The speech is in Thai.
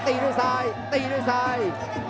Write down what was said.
ตีด้วยซ้าย